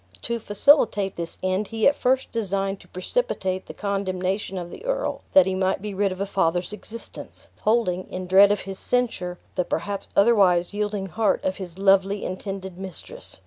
To facilitate this end he at first designed to precipitate the condemnation of the earl, that he might be rid of a father's existence, holding, in dread of his censure, the perhaps otherwise yielding heart of his lovely intended mistress.